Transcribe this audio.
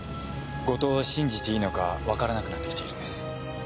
後藤を信じていいのかわからなくなってきているんです。